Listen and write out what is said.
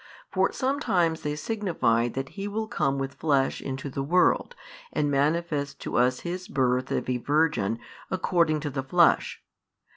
For sometimes they signify that He will come with Flesh into the world, and manifest to us His Birth of a Virgin according to the Flesh.